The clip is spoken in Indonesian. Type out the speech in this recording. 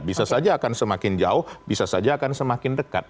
bisa saja akan semakin jauh bisa saja akan semakin dekat